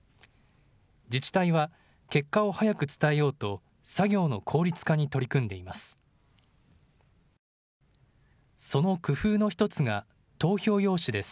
自治体は結果を早く伝えようと作業の効率化に取り組んでいます。